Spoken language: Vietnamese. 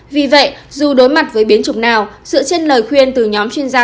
vì vậy dù đối mặt với biến chủng nào sự chân lời khuyên từ nhóm chuyên gia